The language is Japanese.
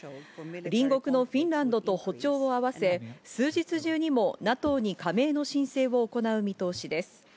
隣国のフィンランドと歩調を合わせ、数日中にもＮＡＴＯに加盟の申請を行う見通しです。